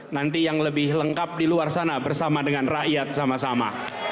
nanti yang lebih lengkap di luar sana bersama dengan rakyat sama sama